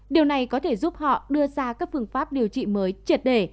điều này có thể giúp họ đưa ra các phương pháp điều trị mới triệt đề